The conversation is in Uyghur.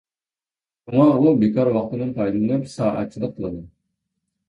شۇڭا ئۇ بىكار ۋاقتىدىن پايدىلىنىپ سائەتچىلىك قىلىدۇ.